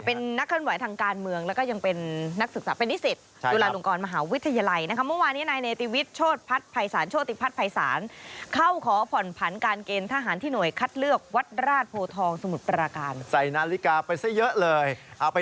เป็นนักขึ้นไหวทางการเมืองและก็ยังเป็นนักศึกษาเป็นนิสิทธิ์